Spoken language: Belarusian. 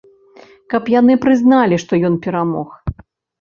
Каб яны прызналі, што ён перамог.